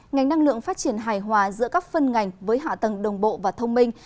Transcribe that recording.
ngành năng lượng phát triển hài hòa giữa các phân ngành với hạ tầng đồng bộ và thông minh